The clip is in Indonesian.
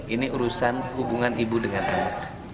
ini urusan hubungan ibu dengan anak